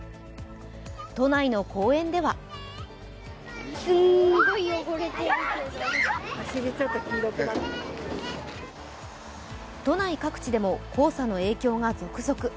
都内の公園では都内各地でも黄砂の影響が続々。